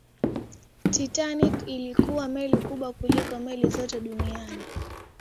titanic ilikuwa meli kubwa kuliko meli zote duniani